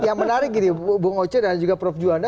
ya menarik gitu ya bu ngoce dan juga prof juwanda